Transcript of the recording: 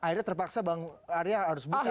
akhirnya terpaksa bang arya harus buka